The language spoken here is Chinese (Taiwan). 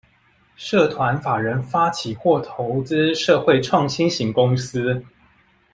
社團法人發起或投資社會創新型公司